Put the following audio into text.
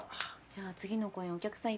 じゃあ次の公演お客さん